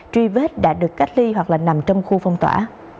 truy vết đã được cách ly hoặc là nằm trong khu phong tỏa